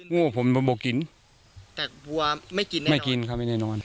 วัวผมบอกกินแต่วัวไม่กินนอนไม่กินครับไม่ได้นอน